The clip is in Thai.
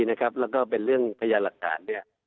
และเป็นเรื่องพยายามศักดิ์การ